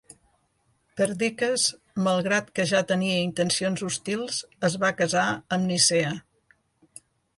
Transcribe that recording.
Perdiccas, malgrat que ja tenia intencions hostils, es va casar amb Nicea.